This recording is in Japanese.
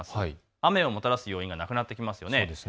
雨をもたらすよう要因がなくなってきますよね。